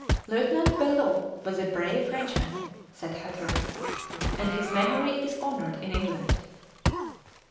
"Lieutenant Bellot was a brave Frenchman," said Hatteras, "and his memory is honoured in England."